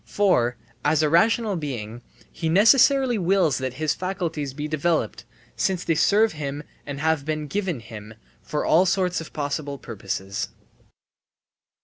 For, as a rational being, he necessarily wills that his faculties be developed, since they serve him and have been given him, for all sorts of possible purposes.